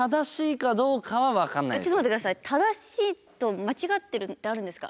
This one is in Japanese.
正しいと間違ってるってあるんですか？